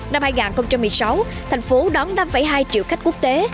năm hai nghìn một mươi sáu thành phố đón năm hai triệu khách quốc tế